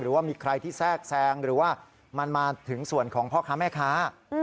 ว่ามีใครที่แทรกแซงหรือว่ามันมาถึงส่วนของพ่อค้าแม่ค้า